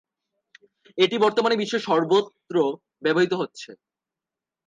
এটি বর্তমানে বিশ্বের সর্বত্র ব্যবহৃত হচ্ছে।